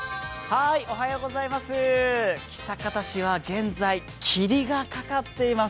喜多方市は現在、霧がかかっています。